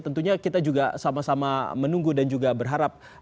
tentunya kita juga sama sama menunggu dan juga berharap